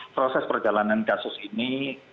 proses perjalanan kasus ini